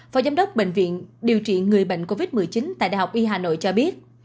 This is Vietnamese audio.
phó giám đốc bệnh viện điều trị người bệnh covid một mươi chín tại đại học y hà nội cho biết